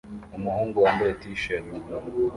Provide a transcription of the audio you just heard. Umuhungu wambaye t-shirt